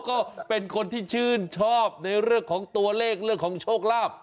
ก็เป็นคนที่ชื่นชอบในเรื่องของตัวเลขเรื่องของโชคลาภ